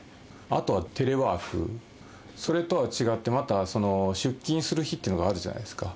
あとはテレワーク、それとは違って、また出勤する日っていうのがあるじゃないですか。